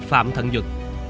phạm thận duật